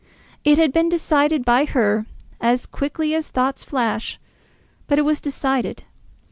It had been decided by her as quickly as thoughts flash, but it was decided.